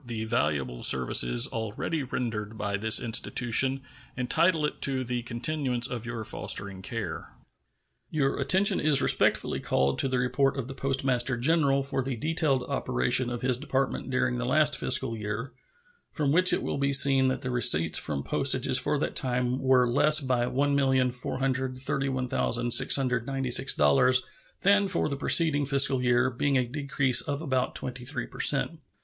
The valuable services already rendered by this institution entitle it to the continuance of your fostering care. Your attention is respectfully called to the report of the Postmaster General for the detailed operation of his Department during the last fiscal year, from which it will be seen that the receipts from postages for that time were less by $1,431,696 than for the preceding fiscal year, being a decrease of about 23 per cent.